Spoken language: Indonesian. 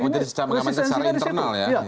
jadi secara internal ya